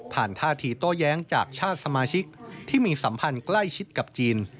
ท่าทีโต้แย้งจากชาติสมาชิกที่มีสัมพันธ์ใกล้ชิดกับจีน